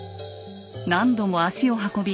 何度も足を運び